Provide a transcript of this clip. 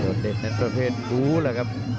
เดินเด่นในประเทศวูหุล่ะครับ